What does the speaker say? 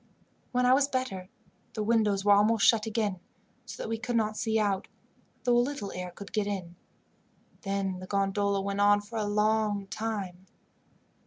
When I was better the windows were almost shut again, so that we could not see out, though a little air could get in; then the gondola went on for a long time.